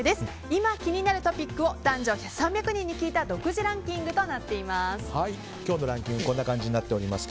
今気になるトピックを男女３００人に聞いた独自ランキングとなっています。